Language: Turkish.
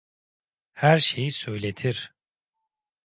Her şeyi söyletir.